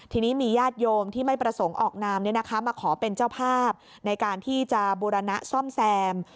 ทีนี้มีญาติโยมที่ไม่ประสงค์ออกนามมาขอเป็นเจ้าภาพในการที่จะบูรณะซ่อมแซม